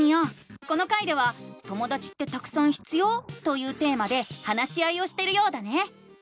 この回では「ともだちってたくさん必要？」というテーマで話し合いをしてるようだね！